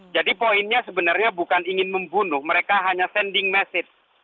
jadi poinnya sebenarnya bukan ingin membunuh mereka hanya sending message